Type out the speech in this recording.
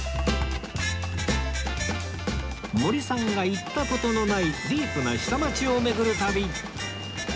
森さんが行った事のないディープな下町を巡る旅